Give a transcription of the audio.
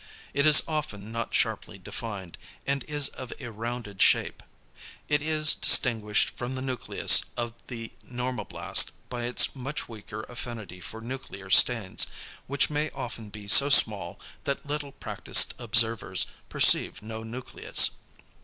It is often not sharply defined, and is of a rounded shape. It is distinguished from the nucleus of the normoblast by its much weaker affinity for nuclear stains, which may often be so small that little practised observers perceive no nucleus.